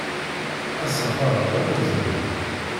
Asafar-a d amerẓagu.